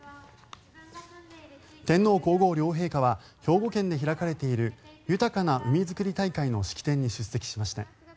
天皇・皇后両陛下は兵庫県で開かれている豊かな海づくり大会の式典に出席しました。